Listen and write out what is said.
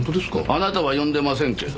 あなたは呼んでませんけど？